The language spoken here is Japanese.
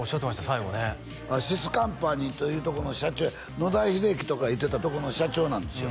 最後ねシス・カンパニーというとこの社長野田秀樹とかがいてたとこの社長なんですよ